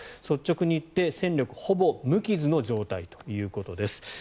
率直に言って戦力はほぼ無傷の状態ということです。